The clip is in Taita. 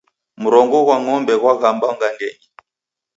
Mrongo ghwa ng'ombe ghwaw'ambwa gandenyi